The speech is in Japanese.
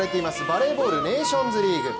バレーボール、ネーションズリーグ。